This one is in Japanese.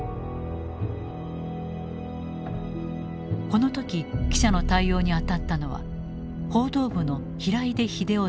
この時記者の対応に当たったのは報道部の平出英夫大佐。